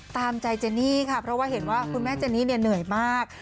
ตามใจเจนี่ค่ะเพราะว่าเห็นว่าคุณแม่เจนี่เนี่ยเหนื่อยมาก